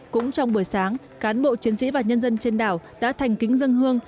cũng trong buổi sáng cán bộ chiến sĩ và nhân dân trên đảo đã thành kính dân hương